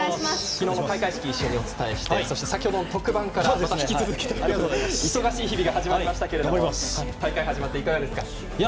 昨日の開会式を一緒にお伝えして先ほどの特番からまた引き続きということで忙しい日々が始まりましたが大会始まっていかがですか？